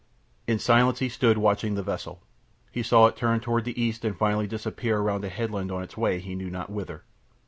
In silence he stood watching the vessel. He saw it turn toward the east and finally disappear around a headland on its way he knew not whither.